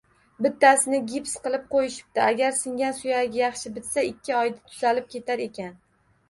Bittasini gips qilib qoʻyishibdi. Agar singan suyagi yaxshi bitsa, ikki oyda tuzalib ketar ekan.